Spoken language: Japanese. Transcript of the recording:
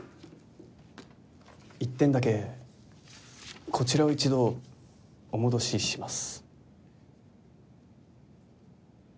１点だけこちらを一度お戻しします。